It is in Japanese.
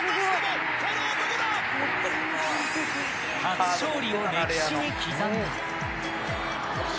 初勝利を歴史に刻んだ。